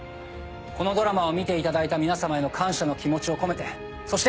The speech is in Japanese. このドラマを見ていただいた皆さまへの感謝の気持ちを込めてそして